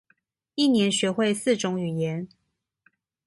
一年學會四種語言